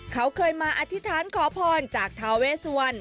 เขาเคยมาอธิษฐานขอพรจากทาเวสวรรณ